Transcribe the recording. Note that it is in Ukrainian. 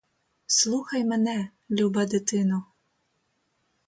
Слухай мене, люба дитино.